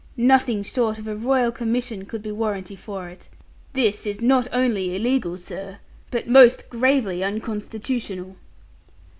Nothing short of a Royal Commission could be warranty for it. This is not only illegal, sir, but most gravely unconstitutional.'